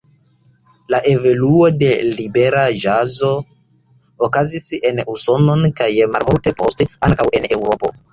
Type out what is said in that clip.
La evoluo de libera ĵazo okazis en Usonon kaj malmulte poste ankaŭ en Eŭropo.